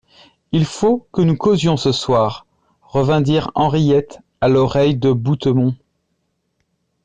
Il faut que nous causions ce soir, revint dire Henriette à l'oreille de Bouthemont.